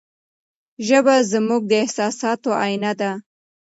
ژبه زموږ د احساساتو آینه ده.